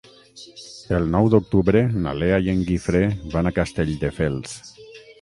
El nou d'octubre na Lea i en Guifré van a Castelldefels.